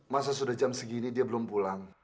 masa sudah jam segini dia belum pulang